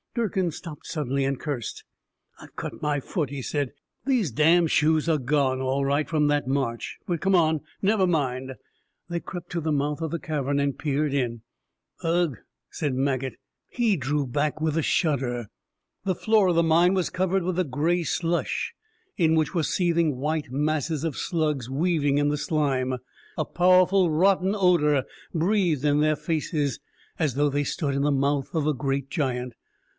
Durkin stopped suddenly, and cursed. "I've cut my foot," he said. "These damn shoes are gone, all right, from that march. But come on, never mind." They crept to the mouth of the cavern and peered in. "Ugh," said Maget. He drew back with a shudder. The floor of the mine was covered with a grey slush, in which were seething white masses of slugs weaving in the slime. A powerful, rotten odor breathed in their faces, as though they stood in the mouth of a great giant.